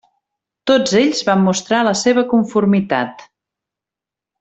Tots ells van mostrar la seva conformitat.